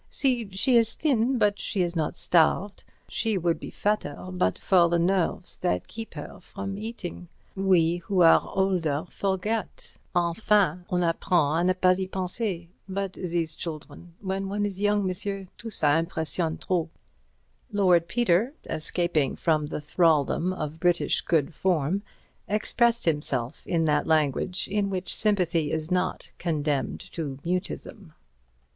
See, she is thin, but she is not starved. She would be fatter but for the nerves that keep her from eating. We who are older, we forget—enfin, on apprend à ne pas y penser—but these children! When one is young, monsieur, tout ça impressionne trop." Lord Peter, escaping from the thraldom of British good form, expressed himself in that language in which sympathy is not condemned to mutism.